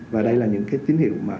và đây là những tín hiệu